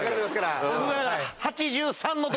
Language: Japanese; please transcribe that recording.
僕が。